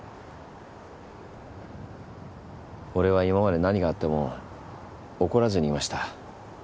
俺は今まで何があっても怒らずにいました。